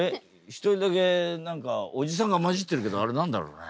一人だけ何かおじさんが交じってるけどあれ何だろうね？